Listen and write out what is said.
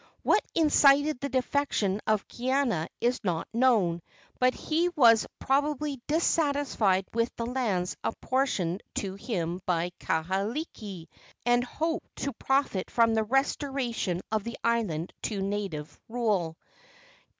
What incited the defection of Kaiana is not known, but he was probably dissatisfied with the lands apportioned to him by Kahekili, and hoped to profit by the restoration of the island to native rule.